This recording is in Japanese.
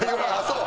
そう？